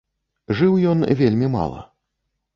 Жыў ён вельмі мала.